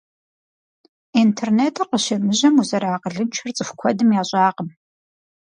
Интернетыр къыщемыжьэм, узэрыакъылыншэр цӏыху куэдым ящӏакъым.